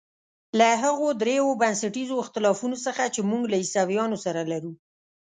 له هغو درېیو بنسټیزو اختلافونو څخه چې موږ له عیسویانو سره لرو.